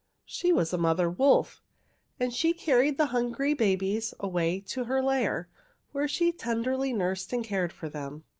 She was a mother wolf, and she carried the hungry babies away to her lair, where she tenderly nursed and cared for them.